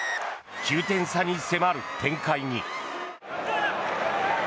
９点差に迫る展開に。